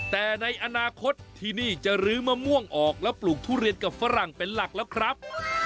แต่ในอนาคตที่นี่จะลื้อมะม่วงออกแล้วปลูกทุเรียนกับฝรั่งเป็นหลักแล้วครับ